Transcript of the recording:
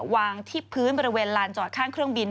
วางที่พื้นบริเวณลานจอดข้างเครื่องบิน